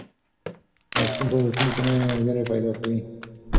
ماسوم په وړکتون کې نوي ملګري پیدا کوي.